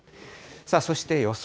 そして予想